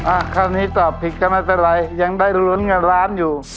คราวนี้ตอบผิดก็ไม่เป็นไรยังได้ลุ้นเงินล้านอยู่